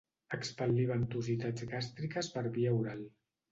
Expel·lir ventositats gàstriques per via oral.